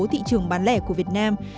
thị trường bán lẻ của việt nam